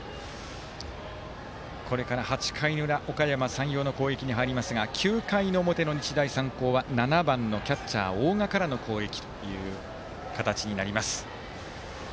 これから８回の裏おかやま山陽の攻撃に入りますが９回の表の日大三高は７番キャッチャー、大賀からの攻撃という形になります。